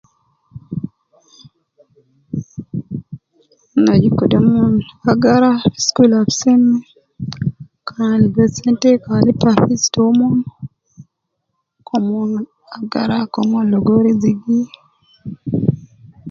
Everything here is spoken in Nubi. Ana aju kede umon agara fi school Al seme, kan ligo sente kan lipa school fees taumon, ke umon agara kemon ligo rizigi.